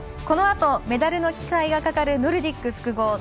このあと、メダルの期待がかかるノルディック複合。